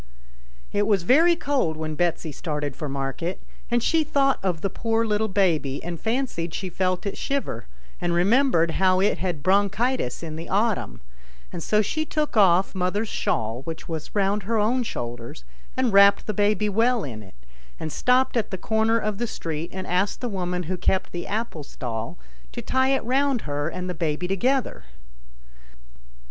It was very cold when Betsy started for market, and she thought of the poor little baby, and fancied she felt it shiver, and remembered how it had had bronchitis in the autumn, and so she took off mother's 80 ANYHOW STORIES. [STORY shawl, which was round her own shoulders, and wrapped the baby well in it, and stopped at the corner of the street and asked the woman who kept the apple stall to tie it round her and the baby together.